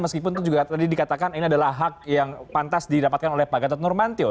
meskipun itu juga tadi dikatakan ini adalah hak yang pantas didapatkan oleh pak gatot nurmantio